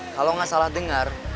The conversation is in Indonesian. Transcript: kalo ga salah dengar